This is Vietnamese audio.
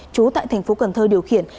chú tại tp cn điều khiển